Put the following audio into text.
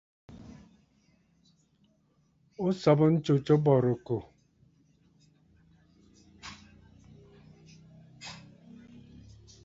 O sɔ̀bə ntsu tǒ bɔ̀rɨkòò.